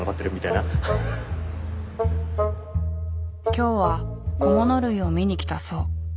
今日は小物類を見に来たそう。